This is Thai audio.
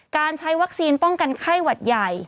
การใช้วัคซีนป้องกันไข้หวัดใหญ่